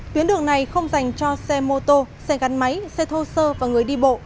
tuyến đường này không dành cho xe mô tô xe gắn máy xe thô sơ và người đi bộ